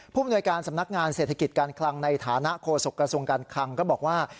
มนวยการสำนักงานเศรษฐกิจการคลังในฐานะโฆษกระทรวงการคลังก็บอกว่า